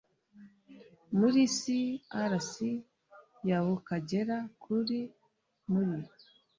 muri crc ya bukagera kuri muri